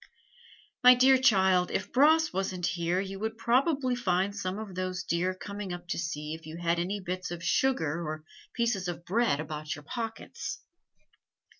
"My dear child, if Bras wasn't here you would probably find some of those deer coming up to see if you had any bits of sugar or pieces of bread about your pockets."